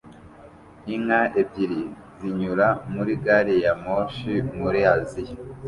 Inka ebyiri zinyura muri gari ya moshi muri Aziya